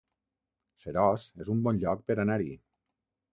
Seròs es un bon lloc per anar-hi